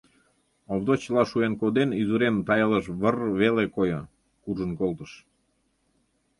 — Овдоч чыла шуэн коден, изурем тайылыш выр-р веле койо — куржын колтыш.